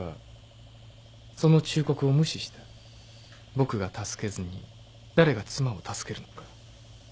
僕が助けずに誰が妻を助けるのか。